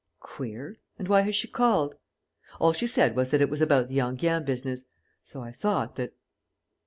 "Queer. And why has she called?" "All she said was that it was about the Enghien business.... So I thought that...."